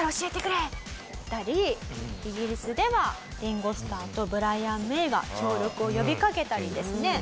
だったりイギリスではリンゴ・スターとブライアン・メイが協力を呼びかけたりですね